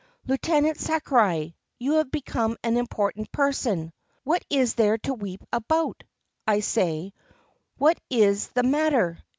"Lieutenant Sakurai, you have become an important person." "What is there to weep about? I say, what is the matter?"